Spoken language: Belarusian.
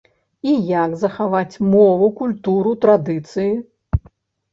І як захаваць мову, культуру, традыцыі?